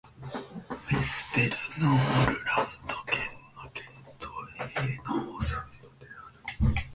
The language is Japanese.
ヴェステルノールランド県の県都はヘーノーサンドである